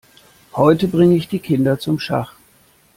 Heute bringe ich die Kinder zum Schach.